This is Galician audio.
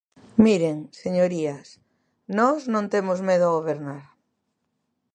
Miren, señorías, nós non temos medo a gobernar.